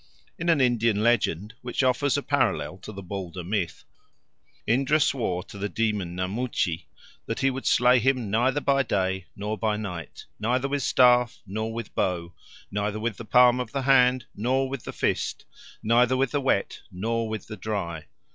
In an Indian legend, which offers a parallel to the Balder myth, Indra swore to the demon Namuci that he would slay him neither by day nor by night, neither with staff nor with bow, neither with the palm of the hand nor with the fist, neither with the wet nor with the dry.